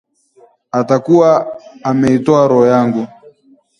atakuwa ameitoa roho yangu